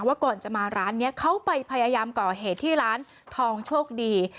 ว่าก่อนจะมาร้านนี้เขาไปพยายามก่อเหตุที่ร้านทองโชคดี